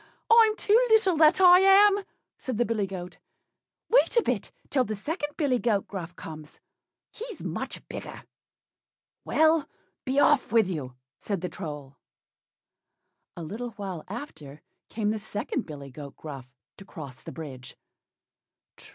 I'm too little, that I am," said the billy goat; "wait a bit till the second billy goat Gruff comes, he's much bigger." "Well! be off with you," said the Troll. A little while after came the second billy goat Gruff to cross the bridge.